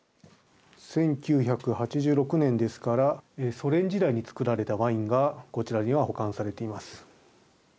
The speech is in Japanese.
１９８６年ですからソ連時代に造られたワインがこちらには保管されています。